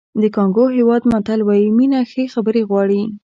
د کانګو هېواد متل وایي مینه ښې خبرې غواړي.